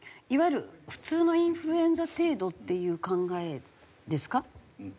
いわゆる普通のインフルエンザ程度っていう考えですか？